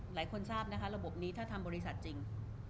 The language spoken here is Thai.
หลายคนทราบนะคะระบบนี้ถ้าทำบริษัทจริง